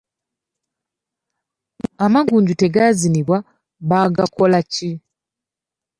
Amagunju tegazinibwa, bagakola ki?